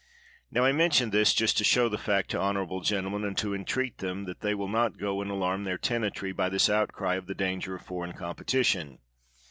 Now, I mention this just to show the fact to honorable gentlemen, and to entreat them that they will not go and alarm their tenantry by this outcry of the danger of foreign competition.